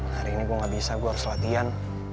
hari ini gue gak bisa gue harus latihan